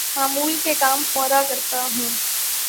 معمول کے کام فورا کرتا ہوں